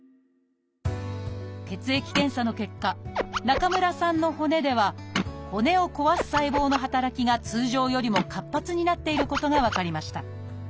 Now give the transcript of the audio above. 血液検査の結果中村さんの骨では骨を壊す細胞の働きが通常よりも活発になっていることが分かりました。